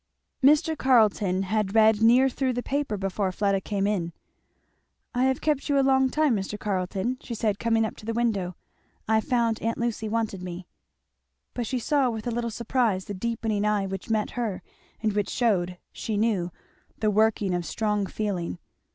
Mr. Carleton had read near through the paper before Fleda came in. "I have kept you a long time, Mr. Carleton," she said coming up to the window; "I found aunt Lucy wanted me." But she saw with a little surprise the deepening eye which met her, and which shewed, she knew, the working of strong feeling.